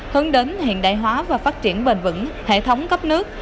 hướng đến hiện đại hóa và phát triển bền vững hệ thống cấp nước